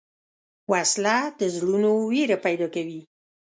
وسله د زړونو وېره پیدا کوي